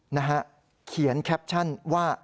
นะฮะเขียนแคปชั่นว่า